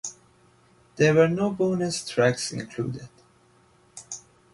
There were no bonus tracks included.